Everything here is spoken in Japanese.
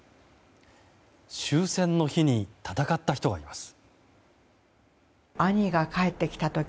終戦の日に戦った人がいます。